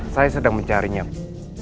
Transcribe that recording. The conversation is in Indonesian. saya sedang mencarinya bu